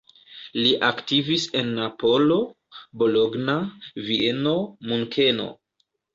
Li aktivis en Napolo, Bologna, Vieno, Munkeno.